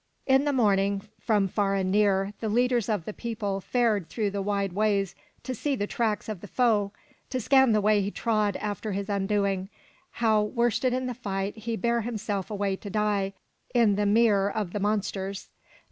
418 FROM THE TOWER WINDOW In the morning, from far and near, the leaders of the people fared through the wide ways to see the tracks of the foe, to scan the way he trod after his undoing, how, worsted in the fight, he bare himself away to die in the mere of the monsters.